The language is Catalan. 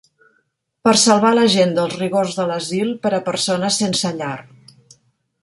Per salvar la gent dels rigors de l'asil per a persones sense llar.